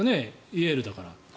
イェールだから。